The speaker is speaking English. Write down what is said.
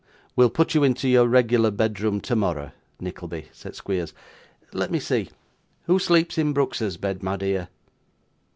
'We'll put you into your regular bedroom tomorrow, Nickelby,' said Squeers. 'Let me see! Who sleeps in Brooks's bed, my dear?